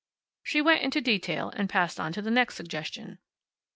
She went into detail and passed on to the next suggestion.